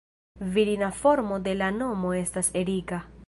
Virina formo de la nomo estas Erika.